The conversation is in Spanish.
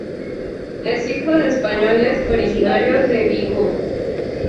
Es hijo de españoles originarios de Vigo.